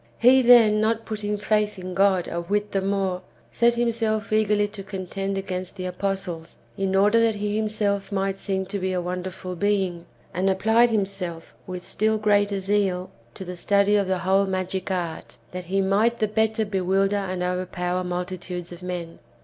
"^ He, then, not putting faith in God a whit the more, set himself eagerly to contend against the apostles, in order that he himself might seem to be a wonderful being, and applied himself with still greater zeal to the study of the whole magic art, that he might the better bewilder and overpower multitudes of men.